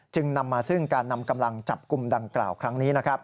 นำมาซึ่งการนำกำลังจับกลุ่มดังกล่าวครั้งนี้